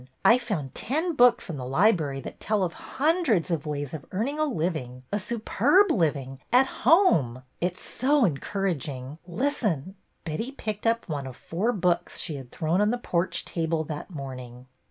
I found ten books in the library that tell of hundreds of ways of earning a living, a superb living, at home ! It 's so encouraging. Listen !" Betty picked up one of four books she had thrown on the porch table that morning.